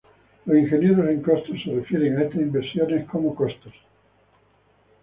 Los ingenieros en costos se refieren a estas inversiones como "costos".